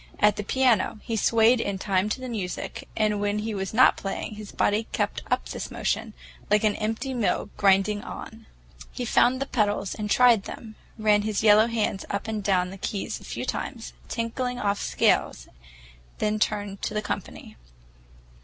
At the piano, he swayed in time to the music, and when he was not playing, his body kept up this motion, like an empty mill grinding on. He found the pedals and tried them, ran his yellow hands up and down the keys a few times, tinkling off scales, then turned to the company.